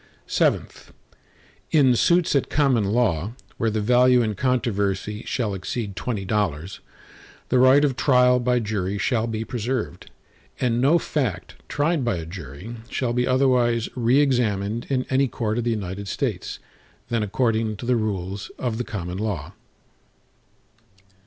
VII In suits at common law, where the value in controversy shall exceed twenty dollars, the right of trial by jury shall be preserved, and no fact tried by a jury shall be otherwise re examined in any court of the United States, than according to the rules of the common law.